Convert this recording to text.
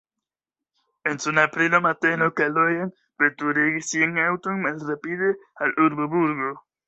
En suna aprila mateno Kalojan veturigis sian aŭton malrapide al urbo Burgo.